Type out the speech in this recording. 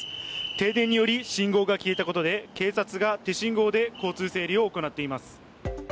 停電により信号が消えたことで警察が手信号で交通整理を行っています。